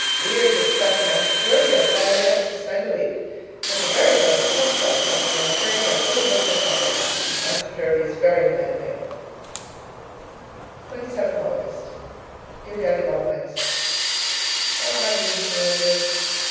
We are to expect Master Jervie on Friday next to spend a week. That's a very pleasant prospect only I am afraid my poor book will suffer. Master Jervie is very demanding. 27th August Dear Daddy Long Legs, Where are you, I wonder?